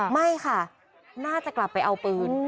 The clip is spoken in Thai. ไม่ค่ะน่าจะกลับไปเอาปืน